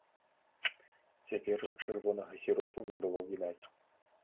Цяпер чырвонага сіропу не было відаць.